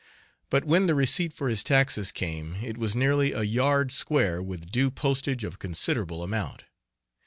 But when the receipt for his taxes came it was nearly a yard square with due postage of considerable amount.